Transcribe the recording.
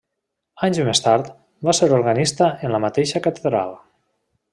Anys més tard, va ser organista en la mateixa catedral.